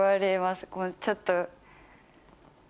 ちょっと。